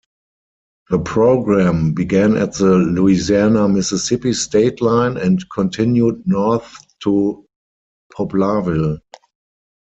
The program began at the Louisiana-Mississippi state line and continued north to Poplarville.